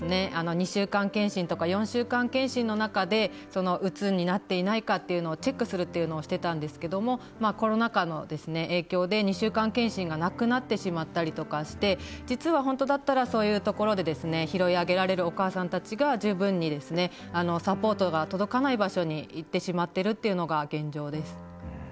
２週間検診とか４週間検診の中でうつになっていないかっていうのをチェックするというのをしてたんですけどもまあコロナ禍の影響で２週間検診がなくなってしまったりとかして実は本当だったらそういうところで拾い上げられるお母さんたちが十分にサポートが届かない場所に行ってしまってるっていうのが現状です。